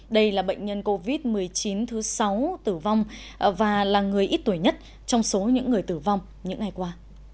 đây là bệnh nhân covid một mươi chín thứ sáu tử vong và là người ít tuổi nhất trong số những người tử vong những ngày qua